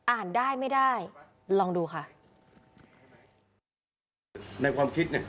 อ่านได้ไม่ได้ลองดูค่ะ